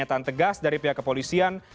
sudah ada penyataan tegas dari pihak kepolisian